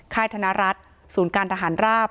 ยธนรัฐศูนย์การทหารราบ